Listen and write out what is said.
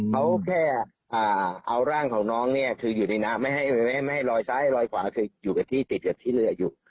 เขาแค่เอาร่างของน้องเนี่ยคืออยู่ในน้ำไม่ให้ลอยซ้ายลอยขวาคืออยู่กับที่ติดกับที่เรืออยู่